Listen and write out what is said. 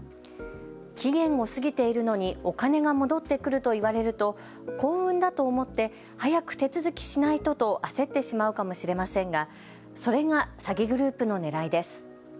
期限を過ぎているのにお金が戻ってくると言われると幸運だと思って早く手続きしないとと焦ってしまうかもしれませんがそれが詐欺グループのねらいです。